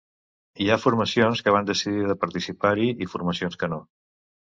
Hi ha formacions que van decidir de participar-hi i formacions que no.